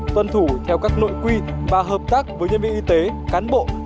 tuân thủ theo các nội quy và hợp tác với nhân viên y tế cán bộ